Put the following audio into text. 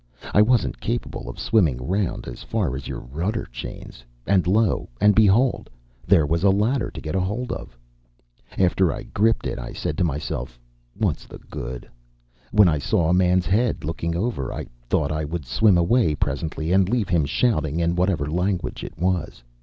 I wasn't capable of swimming round as far as your rudder chains. And, lo and behold! there was a ladder to get hold of. After I gripped it I said to myself, 'What's the good?' When I saw a man's head looking over I thought I would swim away presently and leave him shouting in whatever language it was.